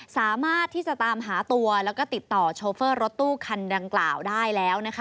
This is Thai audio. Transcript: สามารถที่จะตามหาตัวแล้วก็ติดต่อโชเฟอร์รถตู้คันดังกล่าวได้แล้วนะคะ